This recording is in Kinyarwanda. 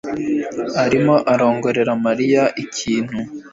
arimo arongorera Mariya ikintu.